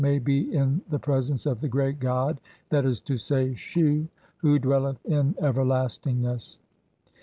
may be in the pre sence of the great god, that is to say, Shu, who dwelleth in "everlastingness.